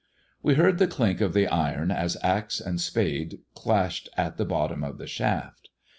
We heard the clink of the iron as axe and spade clashed at the bottom of the shaft.